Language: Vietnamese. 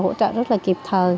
hỗ trợ rất là kịp thời